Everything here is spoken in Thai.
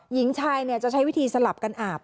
หญิงชายจะใช้วิธีสลับกันอาบ